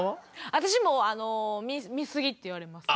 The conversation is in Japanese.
私もあの見すぎって言われます。